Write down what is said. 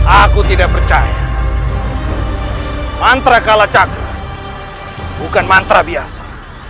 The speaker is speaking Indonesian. aku tidak percaya mantra kalacakra bukan mantra biasa